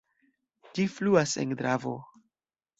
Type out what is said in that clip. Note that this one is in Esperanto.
Ĝi fluas en Dravo.